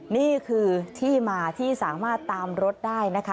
นี่คือที่มาที่สามารถตามรถได้นะคะ